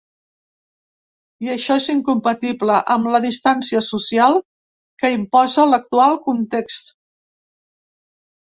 I això és incompatible amb la distància social que imposa l’actual context.